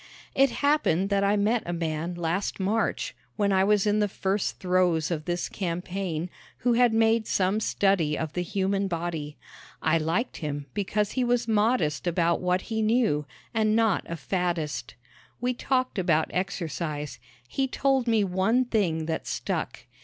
It happened that I met a man last March, when I was in the first throes of this campaign, who had made some study of the human body. I liked him because he was modest about what he knew, and not a faddist. We talked about exercise. He told me one thing that stuck.